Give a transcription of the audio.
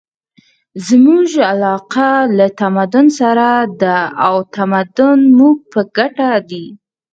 زموږ علاقه له تمدن سره ده او تمدن مو په ګټه دی.